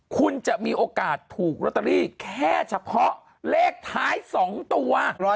คุณจะมีโอกาสถูกลอตเตอรี่แค่เฉพาะเลขท้าย๒ตัว